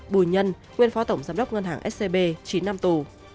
bùi nhân nguyên phó tổng giám đốc ngân hàng scb chín năm tù